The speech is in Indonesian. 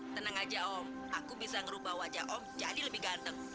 tenang aja om aku bisa ngerubah wajah om jadi lebih ganteng